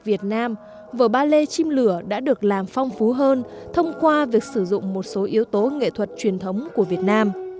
vở ballet chim lửa đã được làm phong phú hơn thông qua việc sử dụng một số yếu tố nghệ thuật truyền thống của việt nam